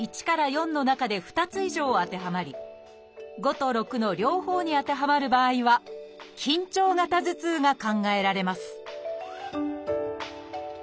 １から４の中で２つ以上当てはまり５と６の両方に当てはまる場合は緊張型頭痛が考えられます